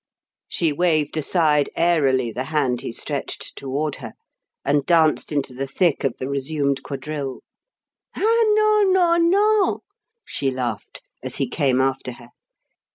She waved aside airily the hand he stretched toward her, and danced into the thick of the resumed quadrille. "Ah, non! non! non!" she laughed, as he came after her.